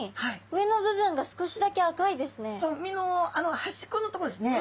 上の部分が少しだけ赤いですね。